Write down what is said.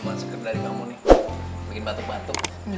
ini masker dari kamu nih